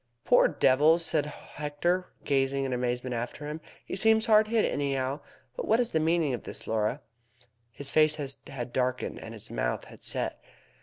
"Poor devil!" said Hector, gazing in amazement after him. "He seems hard hit anyhow. But what is the meaning of all this, Laura?" His face had darkened, and his mouth had set.